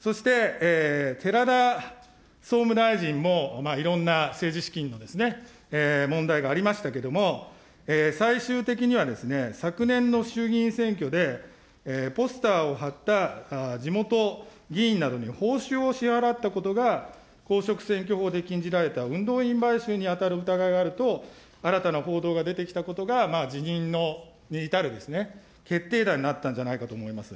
そして、寺田総務大臣も、いろんな政治資金の問題がありましたけども、最終的には昨年の衆議院選挙で、ポスターを貼った地元議員などに報酬を支払ったことが、公職選挙法で禁じられた運動員買収に当たる疑いがあると、新たな報道が出てきたことが辞任に至る決定打になったんじゃないかと思われます。